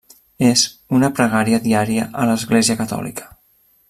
És una pregària diària a l'Església Catòlica.